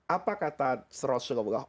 apa kata rasulullah